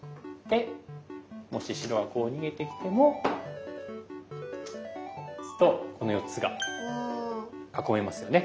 もし白がこう逃げてきても打つとこの４つが囲めますよね。